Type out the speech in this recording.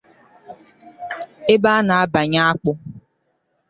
ebe a na-abànye akpụ